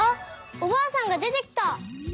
おばあさんがでてきた！